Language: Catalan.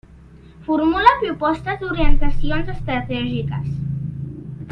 Formula propostes d'orientacions estratègiques.